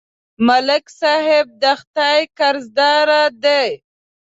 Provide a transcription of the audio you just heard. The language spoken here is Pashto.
ملک صاحب د خدای قرضدار دی.